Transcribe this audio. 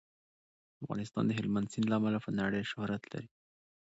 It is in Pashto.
افغانستان د هلمند سیند له امله په نړۍ شهرت لري.